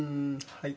はい。